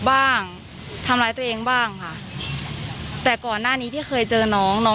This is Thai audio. บ้างทำร้ายตัวเองบ้างค่ะแต่ก่อนหน้านี้ที่เคยเจอน้องน้อง